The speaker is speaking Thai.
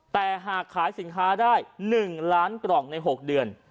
แต่หากขายสินค้าได้๑ล้านกล่องใน๖เดือน